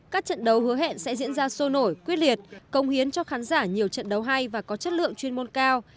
các trận đấu hứa hẹn sẽ diễn ra sôi nổi quyết liệt công hiến cho khán giả nhiều trận đấu hay và có chất lượng chuyên môn cao